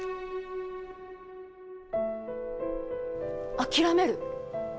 諦める？